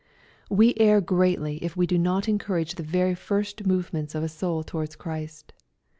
We err greatly if we do not encourage the very first movements of a soul towards Christ.